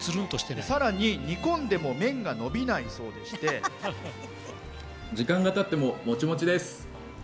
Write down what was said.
さらに、煮込んでも麺がのびないそうでして時間がたっても、もちもちです。